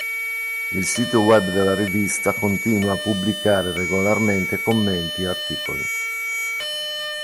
Il sito web della rivista continua a pubblicare regolarmente commenti e articoli.